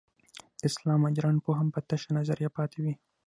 د اسلام مډرن فهم به تشه نظریه پاتې وي.